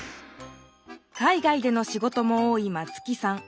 海外でのしごとも多い松木さん。